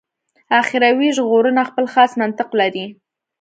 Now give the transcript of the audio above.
اخروي ژغورنه خپل خاص منطق لري.